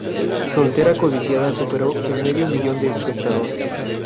Soltera codiciada superó el medio millón de espectadores.